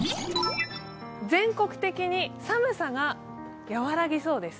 全国的に寒さが和らぎそうです。